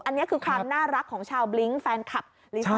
อันนี้คือความน่ารักของชาวบลิ้งแฟนคลับลิซ่า